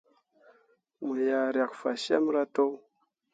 Mo yah riak fasyemme rah to.